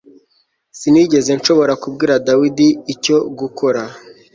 Sinigeze nshobora kubwira David icyo gukora